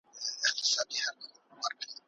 موټرونه اقتصادي وو.